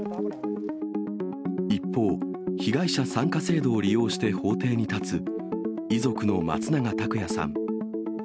一方、被害者参加制度を利用して法廷に立つ遺族の松永拓也さん。